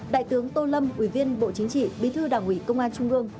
đại tướng tô lâm ủy viên bộ chính trị bí thư đảng ủy công an trung ương